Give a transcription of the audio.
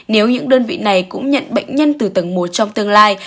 nếu những đơn vị này cũng nhận bệnh nhân từ tầng một trong tương lai